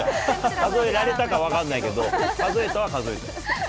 数えられたか分からないけど、数えたは数えたよ。